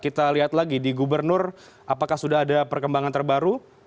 kita lihat lagi di gubernur apakah sudah ada perkembangan terbaru